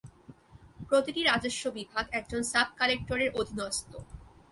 প্রতিটি রাজস্ব বিভাগ একজন সাব-কালেকটরের অধীনস্থ।